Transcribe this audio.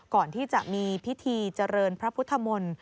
ก่อนที่จะมีพิธีเจริญพระพุทธมนตร์